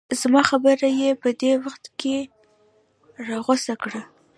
زما خبره یې په دې وخت کې راغوڅه کړه.